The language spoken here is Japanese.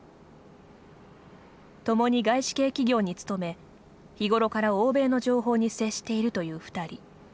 共に外資系企業に勤め日頃から欧米の情報に接しているという２人。